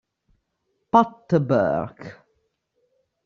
Pat Burke